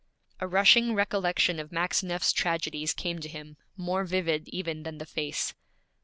A rushing recollection of Maxineff's tragedies came to him, more vivid even than the face.